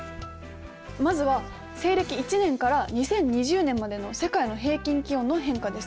まずは西暦１年から２０２０年までの世界の平均気温の変化です。